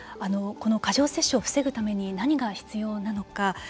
この過剰摂取を防ぐために何が必要なのか。